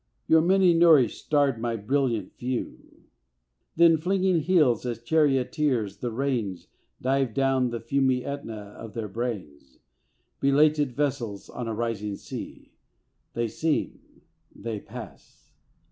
Your Many nourished, starved my brilliant few; Then flinging heels, as charioteers the reins, Dive down the fumy AEtna of their brains. Belated vessels on a rising sea, They seem: they pass!